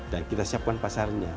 dan kita siapkan pasarnya